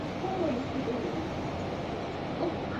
西藏隙蛛为暗蛛科隙蛛属的动物。